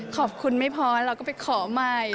ขอบคุณไม่พอเราก็ไปขอใหม่